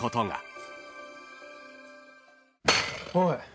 「おい！」